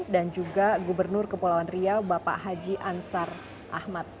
dan juga gubernur kepulauan riau bapak haji ansar ahmad